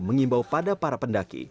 mengimbau pada para pendaki